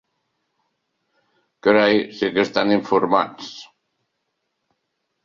Carai, si que estan informats.